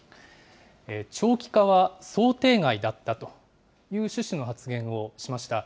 長期化は想定外だったという趣旨の発言をしました。